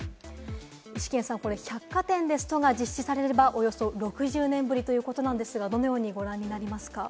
イシケンさん、これ、百貨店でストが実施されれば、およそ６０年ぶりということなんですが、どのようにご覧になりますか？